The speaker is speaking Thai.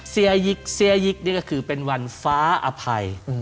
ิกเสียยิกนี่ก็คือเป็นวันฟ้าอภัย